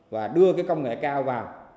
và đưa cái công nghệ cao vào